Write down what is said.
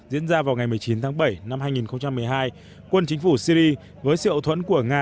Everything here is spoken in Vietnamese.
diễn ra vào ngày một mươi chín tháng bảy năm hai nghìn một mươi hai quân chính phủ syri với sự ẩu thuẫn của nga